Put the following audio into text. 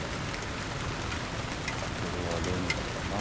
これはレンガだよな。